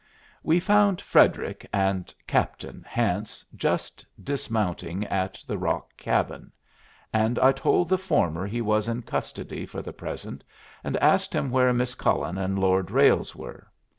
We found Frederic and "Captain" Hance just dismounting at the Rock Cabin, and I told the former he was in custody for the present, and asked him where Miss Cullen and Lord Ralles were.